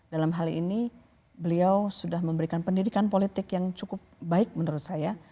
dalam hal ini beliau sudah memberikan pendidikan politik yang cukup baik menurut saya